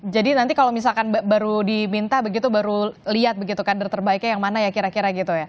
jadi nanti kalau misalkan baru diminta begitu baru lihat begitu kader terbaiknya yang mana ya kira kira gitu ya